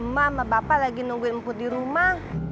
mama bapak lagi nungguin emput di rumah